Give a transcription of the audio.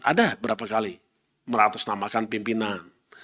ada berapa kali meratasnamakan pimpinan